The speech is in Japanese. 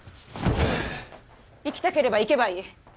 行きたければ行けばいい